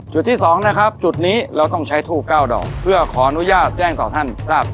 จุดที่๒นะครับจุดนี้เราต้องใช้ทูบ๙ดอกเพื่อขออนุญาตแจ้งต่อท่านทราบ